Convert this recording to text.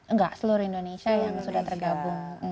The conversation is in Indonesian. enggak seluruh indonesia yang sudah tergabung